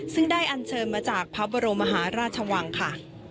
ซึ่งได้อันเชิญมาจากพระบรมมหาราชวังค่ะ